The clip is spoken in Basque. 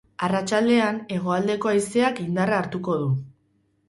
Arratsaldean, hegoaldeko haizeak indarra hartuko du.